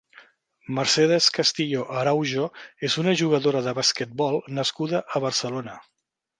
Mercedes Castillo Araujo és una jugadora de basquetbol nascuda a Barcelona.